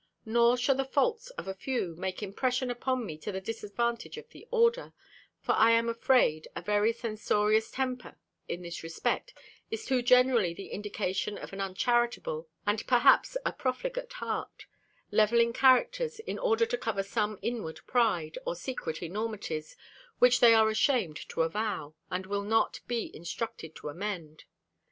Nor shall the faults of a few make impression upon me to the disadvantage of the order; for I am afraid a very censorious temper, in this respect, is too generally the indication of an uncharitable and perhaps a profligate heart, levelling characters, in order to cover some inward pride, or secret enormities, which they are ashamed to avow, and will not be instructed to amend.